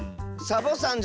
サボさん？